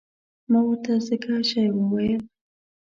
ما ورته ځکه شی وویل.